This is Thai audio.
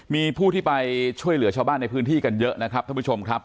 มีผู้ที่ไปช่วยเหลือชาวบ้านในพื้นที่กันเยอะนะครับท่านผู้ชมครับ